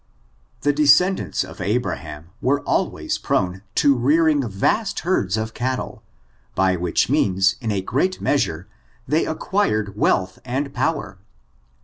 The descendants of Abraham were always prone to rearing vast herds of cattle, by which means, in a great measure, they acquired wealth and power.